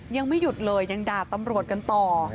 ยังไม่หยุดเลยยังด่าตำรวจกันต่อ